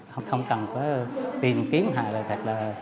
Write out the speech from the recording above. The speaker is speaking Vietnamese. không cần phải tìm kiếm hoặc là